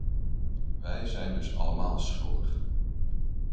Wij zijn dus allemaal schuldig.